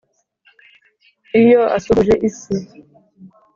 iyo asuhuje isi